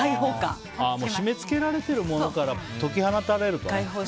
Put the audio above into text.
締め付けられてるものから解き放たれるとね。